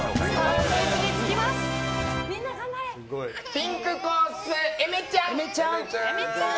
ピンクコース、えめちゃん。